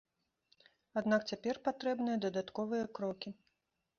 Аднак цяпер патрэбныя дадатковыя крокі.